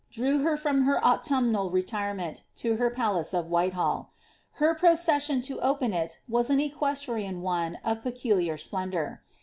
dte from her autumnal letirement lo her palace of Whitehall. Her pror« tion Id open it was an equestrian one of peculiar splendour.